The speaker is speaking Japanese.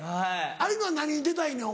有野は何に出たいねん？